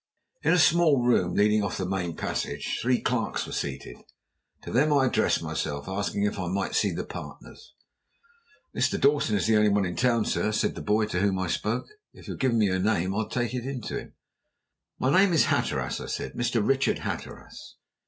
In a small room leading off the main passage, three clerks were seated. To them I addressed myself, asking if I might see the partners. "Mr. Dawson is the only one in town, sir," said the boy to whom I spoke. "If you'll give me your name, I'll take it in to him." "My name is Hatteras," I said. "Mr. Richard Hatteras."